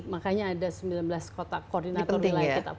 makanya ada sembilan belas kota koordinator wilayah kita